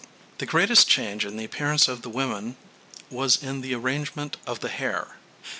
}] The greatest change in the appearance of the women was in the arrangement of the hair.